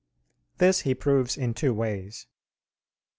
This he proves in two ways.